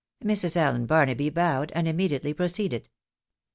Mrs. Allen BarnalDy bowed, and immediately proceeded.